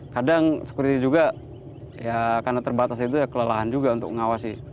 kadang sekuriti juga ya karena terbatas itu ya kelelahan juga untuk mengawasi